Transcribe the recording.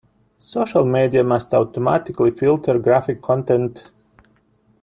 Social media must automatically filter graphic content.